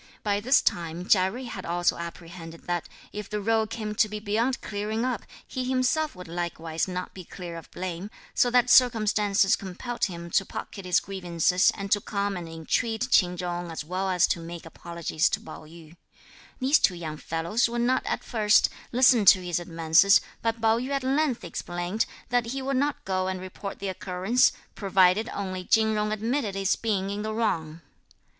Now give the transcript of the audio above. By this time Chia Jui had also apprehended that if the row came to be beyond clearing up, he himself would likewise not be clear of blame, so that circumstances compelled him to pocket his grievances and to come and entreat Ch'in Chung as well as to make apologies to Pao yü. These two young fellows would not at first listen to his advances, but Pao yü at length explained that he would not go and report the occurrence, provided only Chin Jung admitted his being in the wrong.